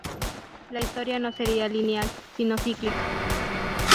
La historia no sería lineal, sino cíclica.